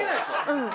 うん。